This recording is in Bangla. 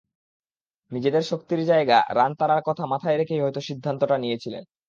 নিজেদের শক্তির জায়গা রান তাড়ার কথা মাথায় রেখেই হয়তো সিদ্ধান্তটা নিয়েছিলেন।